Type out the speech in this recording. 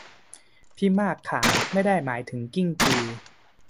พี่มากขา ไม่ได้หมายถึงกิ้งกือ